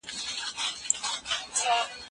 که نجونې لیکوالې شي نو کیسې به یې هیرې نه وي.